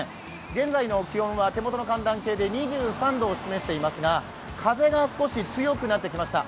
現在の気温は、手元の寒暖計で２３度を示していますが、風が少し強くなってきました。